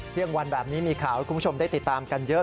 เที่ยงวันแบบนี้มีข่าวให้คุณผู้ชมได้ติดตามกันเยอะ